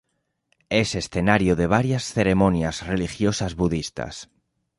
Es escenario de varias ceremonias religiosas budistas.